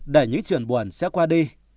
để những chuyện buồn sẽ qua đi